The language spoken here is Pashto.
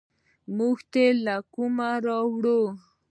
موږ تیل له کومه راوړو؟